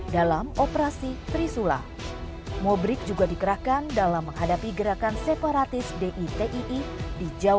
dalam merah darah ini mengalir nama indonesia